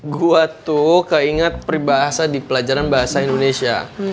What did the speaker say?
gue tuh keinget peribahasa di pelajaran bahasa indonesia